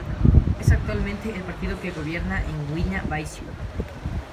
Es actualmente el partido que gobierna en Guinea-Bisáu.